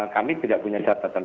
kami tidak punya catatan